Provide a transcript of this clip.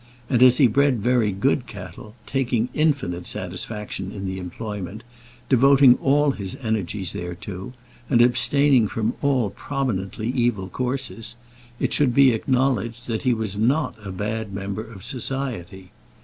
And as he bred very good cattle, taking infinite satisfaction in the employment, devoting all his energies thereto, and abstaining from all prominently evil courses, it should be acknowledged that he was not a bad member of society.